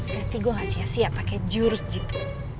berarti gue gak sia sia pake jurus gitu